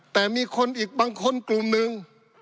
แต่มีคนอีกบางคนกลุ่มหนึ่ง